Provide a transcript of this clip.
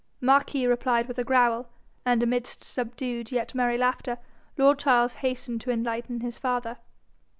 Marquis replied with a growl, and amidst subdued yet merry laughter, lord Charles hastened to enlighten his father.